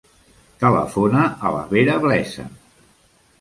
Telefona a la Vera Blesa.